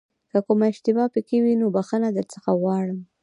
که کومه اشتباه پکې وي نو بښنه درڅخه غواړم.